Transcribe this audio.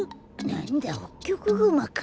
なんだホッキョクグマか。